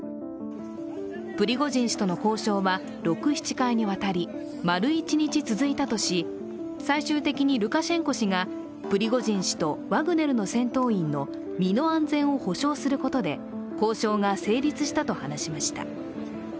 プリゴジン氏との交渉は６７回にわたり、丸一日続いたとし最終的にルカシェンコ氏がプリゴジン氏とワグネルの戦闘員の身の安全を保障することで交渉が成立したと話しました。